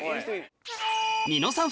ニノさん